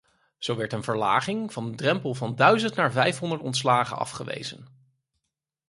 Zo werd een verlaging van de drempel van duizend naar vijfhonderd ontslagen afgewezen.